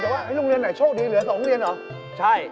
แต่ว่าโรงเรียนไหนโชคดีเหลือ๒โรงเรียนเหรอใช่